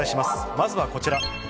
まずはこちら。